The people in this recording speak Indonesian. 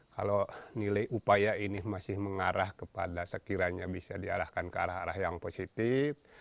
kalau nilai upaya ini masih mengarah kepada sekiranya bisa diarahkan ke arah arah yang positif